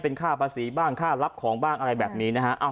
เป็นค่าภาษีบ้างค่ารับของบ้างอะไรแบบนี้นะฮะ